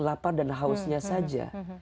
lapar dan hausnya saja